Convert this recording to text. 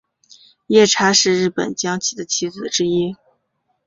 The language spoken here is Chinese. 夜叉是日本将棋的棋子之一。